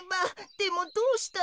でもどうしたら。